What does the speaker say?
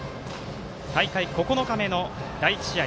大会９日目の第１試合。